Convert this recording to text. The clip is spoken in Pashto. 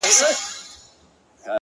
• کور مي د بلا په لاس کي وليدی،